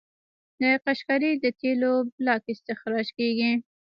د قشقري د تیلو بلاک استخراج کیږي.